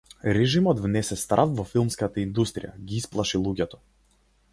Режимот внесе страв во филмската индустрија, ги исплаши луѓето.